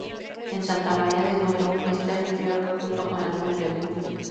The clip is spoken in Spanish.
En Santa María de Duero está el prior junto con algún lego.